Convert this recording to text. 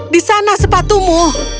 di sana sepatumu